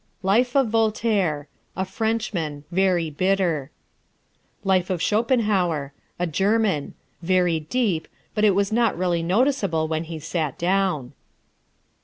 Life of Voltaire: A Frenchman; very bitter. Life of Schopenhauer: A German; very deep; but it was not really noticeable when he sat down.